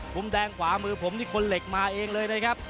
มุมแดงขวามือผมนี่คนเหล็กมาเองเลยนะครับ